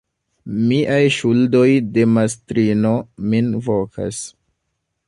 Miaj ŝuldoj de mastrino min vokas.